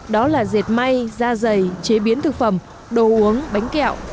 đó là dệt may da dày chế biến thực phẩm đồ uống bánh kẹo